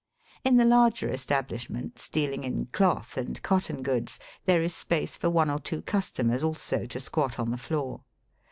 In the larger establishments dealing in cloth and cotton goods there is space for one or two customers also to squat on the floor.